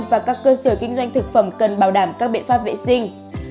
và các cơ sở kinh doanh thực phẩm cần bảo đảm các biện pháp vệ sinh